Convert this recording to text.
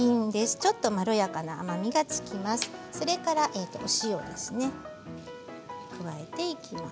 ちょっとまろやかな甘みがつきます。